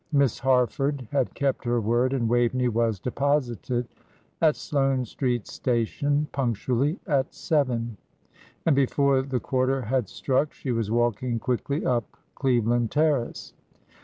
Miss Harford had kept her word, and Waveney was deposited at Sloane Street Station punctually at seven; and before the quarter had struck she was walking quickly up Cleveland Terrace.